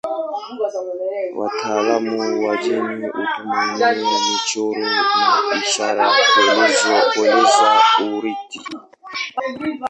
Wataalamu wa jeni hutumia michoro na ishara kueleza urithi.